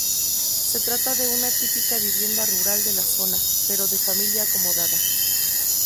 Se trata de una típica vivienda rural de la zona, pero de familia acomodada.